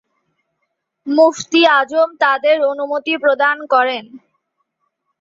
মুফতী আজম তাদের অনুমতি প্রদান করেন।